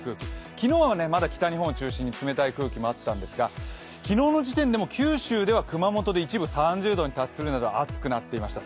昨日は北日本を中心に冷たい空気もあったんですが昨日の時点でも九州・熊本では一部３０度に達するなど暑くなっていました。